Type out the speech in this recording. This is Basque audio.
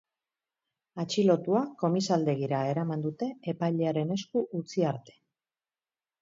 Atxilotua komisaldegira eraman dute epailearen esku utzi arte.